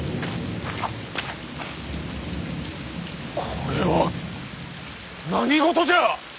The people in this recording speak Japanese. これは何事じゃ！